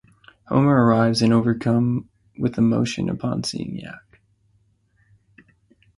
Homer arrives and overcome with emotion upon seeing Yak.